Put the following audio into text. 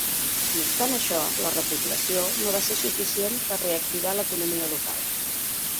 No obstant això, la repoblació no va ser suficient per a reactivar l'economia local.